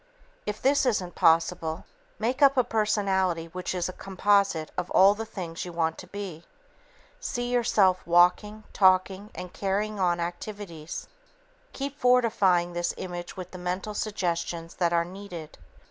If this isn't possible, make up a personality which is a composite of all the things you want to be. See yourself walking, talking and carrying on activities. Keep fortifying this image with the mental suggestions that are needed.